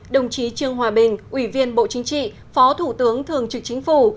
đồng chí trương hòa bình ủy viên bộ chính trị phó thủ tướng thường trực chính phủ